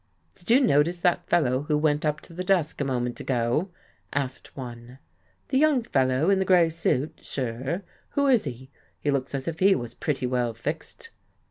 "Did you notice that fellow who went up to the desk a moment ago?" asked one. "The young fellow in the grey suit? Sure. Who is he? He looks as if he was pretty well fixed."